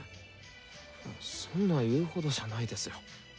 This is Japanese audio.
そんな言うほどじゃないですよ。